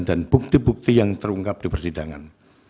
dan bukti bukti yang terungkap di persidangan